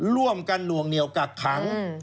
ร่วมกันหน่วงเหนียวกักขัง